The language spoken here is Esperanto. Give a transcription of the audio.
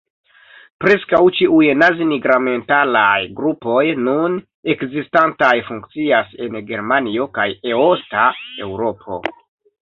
Preskaŭ ĉiuj nazi-nigramentalaj grupoj nun ekzistantaj funkcias en Germanio kaj Eosta Eŭropo.